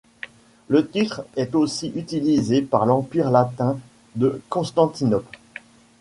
Le titre est aussi utilisé par l’Empire latin de Constantinople.